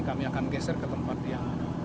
kami akan geser ke tempat yang ada